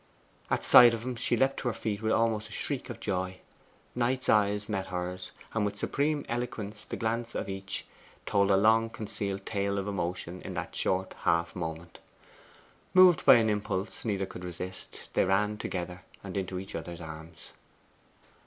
At sight of him she leapt to her feet with almost a shriek of joy. Knight's eyes met hers, and with supreme eloquence the glance of each told a long concealed tale of emotion in that short half moment. Moved by an impulse neither could resist, they ran together and into each other's arms.